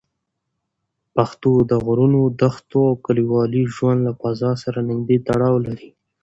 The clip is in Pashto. پښتو د غرونو، دښتو او کلیوالي ژوند له فضا سره نږدې تړاو لري.